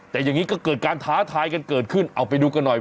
แต่อย่างนี้ก็เกิดการท้าทายกันเกิดขึ้นเอาไปดูกันหน่อย